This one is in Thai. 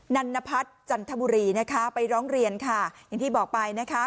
นันนพัฒน์จันทบุรีนะคะไปร้องเรียนค่ะอย่างที่บอกไปนะคะ